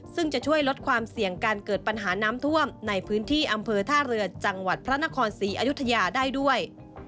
ซึ่งจะช่วยลดความเสี่ยงการเกิดปัญหาน้ำท่วมในพื้นที่อำเภอท่าเรือจังหวัดพระนครศรีอยุธยาได้ด้วย